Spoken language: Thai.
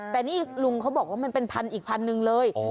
แต่นี่ลุงเขาบอกว่ามันเป็นพันอีกพันหนึ่งเลย